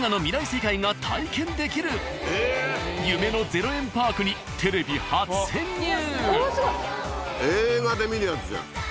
世界が体験できる夢の０円パークにテレビ初潜入。